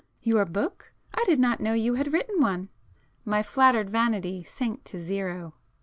"Your book? I did not know you had written one?" My flattered vanity sank to zero.